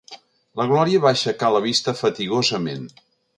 La Glòria va aixecar la vista fatigosament.